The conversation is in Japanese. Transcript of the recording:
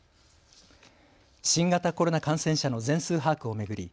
新型コロナ感染者の全数把握を巡り